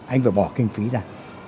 anh phải bỏ kinh phí ra